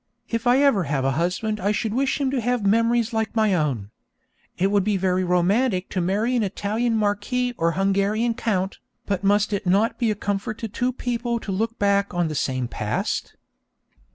If I ever have a husband I should wish him to have memories like my own. It would be very romantic to marry an Italian marquis or a Hungarian count, but must it not be a comfort to two people to look back on the same past?